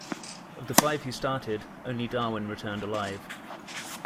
Of the five who started, only Darwin returned alive.